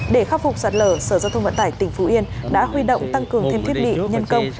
để khắc phục sạt lở sở giao thông vận tải tỉnh phú yên đã huy động tăng cường thêm thiết bị nhân công